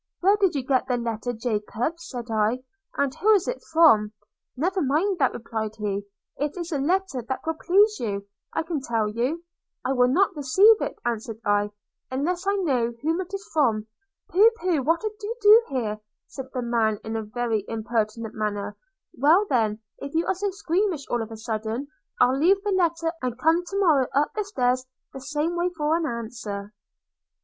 'Where did you get the letter, Jacob?' said I; 'and who is it from?' – 'Never mind that,' replied he, 'it is a letter that will please you, I can tell you.' – 'I will not receive it,' answered I, 'unless I know whom it is from.' – 'Pooh pooh! what a to do here!' said the man, in a very impertinent manner – 'Well then, if you are so squeamish all of a sudden, I'll leave the letter, and come to morrow up the stairs the same way for an answer.'